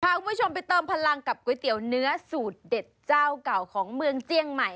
คุณผู้ชมไปเติมพลังกับก๋วยเตี๋ยวเนื้อสูตรเด็ดเจ้าเก่าของเมืองเจียงใหม่